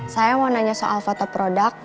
saya mau nanya soal foto produk